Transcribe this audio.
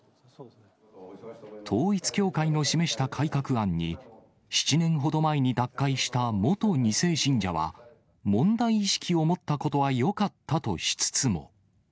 統一教会の示した改革案に、７年ほど前に脱会した元２世信者は、問題意識を持ったことはよかったとしつつも。